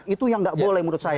itu yang nggak boleh menurut saya